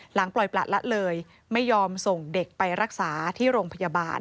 ปล่อยประละเลยไม่ยอมส่งเด็กไปรักษาที่โรงพยาบาล